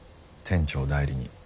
店長代理に。